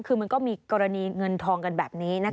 คือมันก็มีกรณีเงินทองกันแบบนี้นะคะ